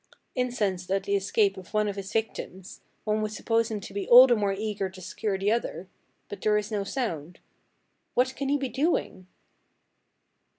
Incensed at the escape of one of his victims, one would suppose him to be all the more eager to secure the other; but there is no sound. What can he be doing?